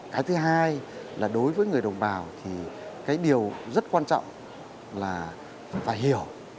cái thứ hai là đối với người đồng bào thì cái điều rất quan trọng là phải hiểu